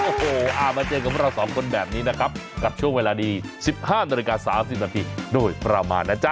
โอ้โหมาเจอกับเราสองคนแบบนี้นะครับกับช่วงเวลาดี๑๕นาฬิกา๓๐นาทีโดยประมาณนะจ๊ะ